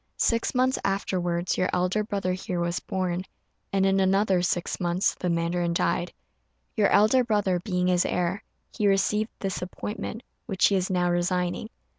Six months afterwards your elder brother here was born, and in another six months the mandarin died. Your elder brother being his heir, he received this appointment, which he is now resigning.